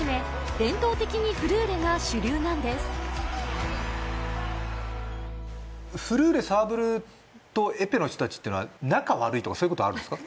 伝統的にフルーレが主流なんですフルーレサーブルとエペの人たちっていうのは仲悪いとかそういうことあるんですか？